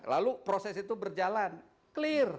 lalu proses itu berjalan clear